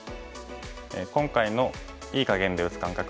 今回の“いい”かげんで打つ感覚